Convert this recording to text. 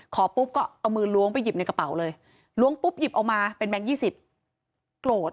ปุ๊บก็เอามือล้วงไปหยิบในกระเป๋าเลยล้วงปุ๊บหยิบออกมาเป็นแบงค์๒๐โกรธ